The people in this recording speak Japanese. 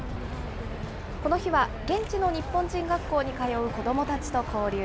この日は、現地の日本人学校に通う子どもたちと交流。